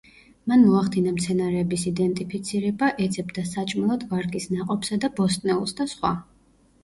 მან მოახდინა მცენარეების იდენტიფიცირება, ეძებდა საჭმელად ვარგის ნაყოფსა და ბოსტნეულს და სხვა.